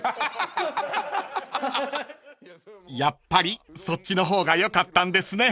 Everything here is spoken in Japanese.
［やっぱりそっちの方がよかったんですね］